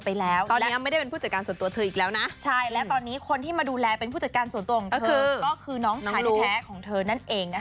ไปแล้วตอนนี้ไม่ได้เป็นผู้จัดการส่วนตัวเธออีกแล้วนะ